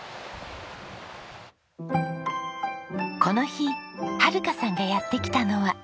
この日はるかさんがやって来たのは。